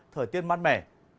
thời tiết mát mẻ